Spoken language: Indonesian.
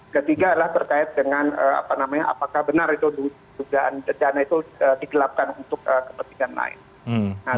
ketiga adalah terkait dengan apakah benar itu dugaan bencana itu digelapkan untuk kepentingan lain